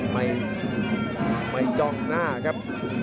ไม่จองหน้าครับ